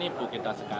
nipu kita sekarang